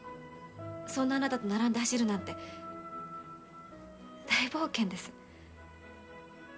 そんなあなたと並んで走るなんて大冒険です。